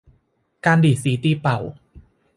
การดีดสีตีเป่า